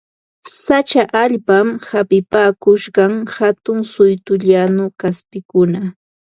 Sacha allpaman hapipakusqan hatun suytu llañu kaspikuna